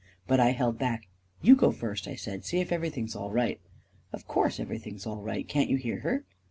But I held back. " You go first," I said. " See if everything's all right" 11 Of course everything's all right Can't you hear her?"